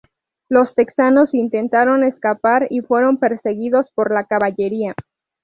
Los texanos intentaron escapar y fueron perseguidos por la caballería.